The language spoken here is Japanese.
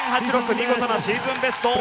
見事なシーズンベスト。